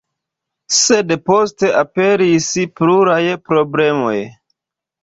Sed poste aperis pluraj problemoj.